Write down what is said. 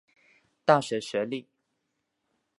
大学学历。